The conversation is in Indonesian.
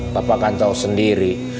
bapak kan tahu sendiri